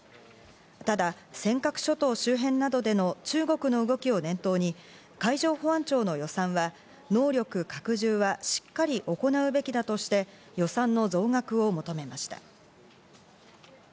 ただ尖閣諸島周辺などでの中国の動きを念頭に海上保安庁の予算は能力拡充はしっかり行うべきだとして、予算の増額を求めました。